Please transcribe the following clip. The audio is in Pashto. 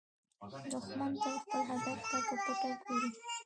دښمن تل خپل هدف ته په پټه ګوري